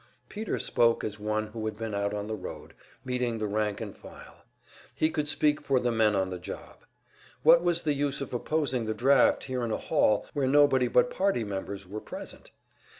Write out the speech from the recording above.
Peter spoke as one who had been out on the road, meeting the rank and file; he could speak for the men on the job. What was the use of opposing the draft here in a hall, where nobody but party members were present?